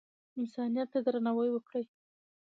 انسانیت ته درناوی وکړئ